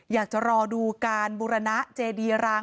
อยากจะรอดูการบุรณะเจดีราง